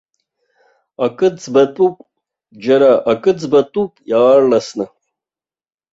Акы ӡбатәуп, џьара акы ӡбатәуп иаарласны.